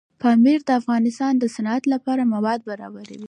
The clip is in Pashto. پامیر د افغانستان د صنعت لپاره مواد برابروي.